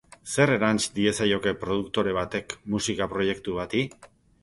Zer erants diezaioke produktore batek musika proiektu bati?